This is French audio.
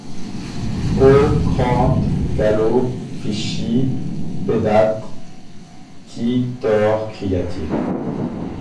Hau crante callot! fichi pédate ki tord ! cria-t-il.